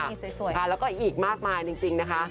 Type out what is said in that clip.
มีสวยค่ะแล้วก็อีกมากมายจริงนะคะ